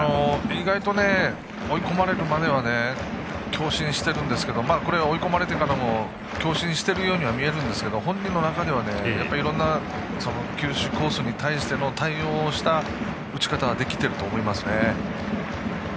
意外と追い込まれるまでは強振しているんですが今も追い込まれてから強振しているようには見えるんですけど、本人の中ではいろんな球種、コースに対しての対応をした打ち方ができていると思いますね。